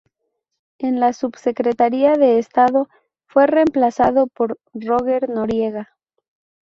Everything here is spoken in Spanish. En la subsecretaría de Estado fue reemplazado por Roger Noriega.